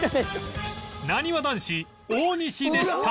なにわ男子大西でした